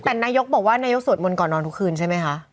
แต่นายกบอกว่านายกสวดมนต์ก่อนนอนทุกคืนใช่ไหมคะ